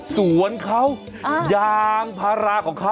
สวนเขายางพาราของเขา